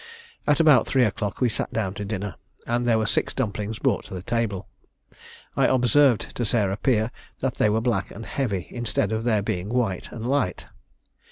At about three o'clock we sat down to dinner, and there were six dumplings brought to table. I observed to Sarah Peer that they were black and heavy instead of their being white and light.